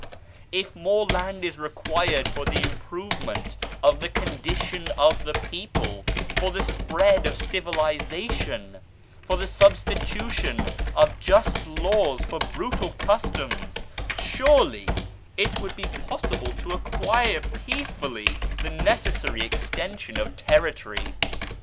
If more land is required for the improvement of the condition of the people, for the spread of civiliza tion (for the substitution of just laws for brutal customs) surely it would be possible to acquire peaceably the necessary extension of territory.